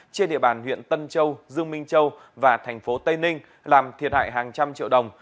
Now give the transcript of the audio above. trên địa bàn huyện tân châu dương minh châu và thành phố tây ninh làm thiệt hại hàng trăm triệu đồng